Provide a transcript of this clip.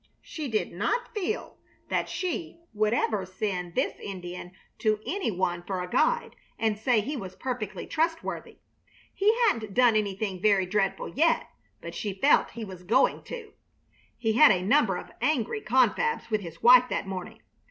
She did not feel that she would ever send this Indian to any one for a guide and say he was perfectly trustworthy. He hadn't done anything very dreadful yet, but she felt he was going to. He had a number of angry confabs with his wife that morning.